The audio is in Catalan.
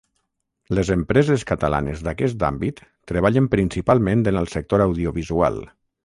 Les empreses catalanes d'aquest àmbit treballen principalment en el sector audiovisual.